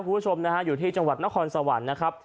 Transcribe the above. คุณผู้ชมนะฮะอยู่ที่จังหวัดนครสวรรค์นะครับ